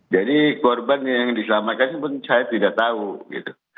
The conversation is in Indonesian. jadi korban yang diselamatkan itu pun saya tidak tahu gitu